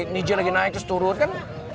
niji lagi naik terus turun kan